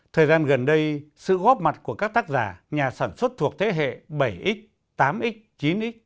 thời gian gần đây sự góp mặt của các tác giả nhà sản xuất thuộc thế hệ bảy x tám x chín x